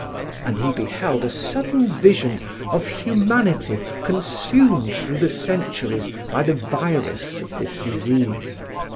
And he beheld a sudden vision of humanity consumed through the centuries by the virus of this disease.